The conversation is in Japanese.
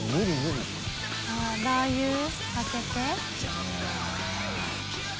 あっラー油かけて。